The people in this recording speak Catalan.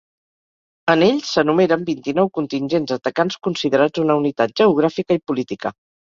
En ell s'enumeren vint-i-nou contingents atacants considerats una unitat geogràfica i política.